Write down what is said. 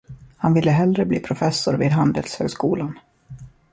Han vill hellre bli professor vid handelshögskolan.